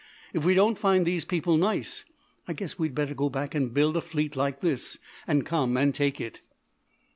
If we don't find these people nice, I guess we'd better go back and build a fleet like this, and come and take it."